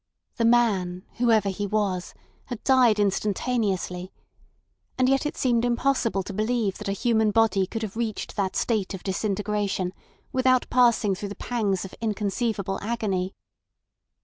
The man, whoever he was, had died instantaneously; and yet it seemed impossible to believe that a human body could have reached that state of disintegration without passing through the pangs of inconceivable agony.